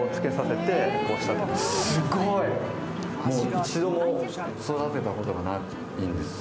一度も育てたことがないんですよ。